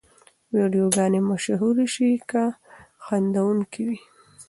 ویډیوګانې مشهورې شي که خندوونکې وي.